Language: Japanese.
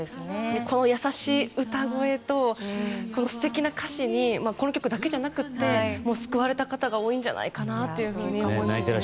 この優しい歌声と素敵な歌詞にこの曲だけじゃなくて救われた方が多いんじゃないかなというふうに思いますね。